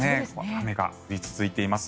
雨が降り続いています。